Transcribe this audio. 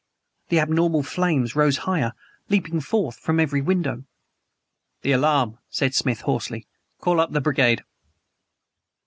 The abnormal flames rose higher leaping forth from every window. "The alarm!" said Smith hoarsely. "Call up the brigade!"